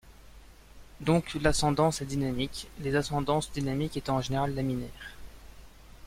Donc l'ascendance est dynamique; les ascendances dynamiques étant en général laminaires.